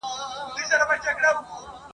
چي مخکي مي هیڅ فکر نه دی پکښی کړی !.